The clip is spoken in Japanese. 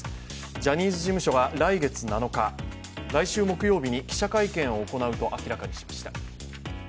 ジャニーズ事務所が来月７日、来週木曜日に記者会見を行うと明らかにしました。